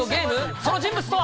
その人物とは？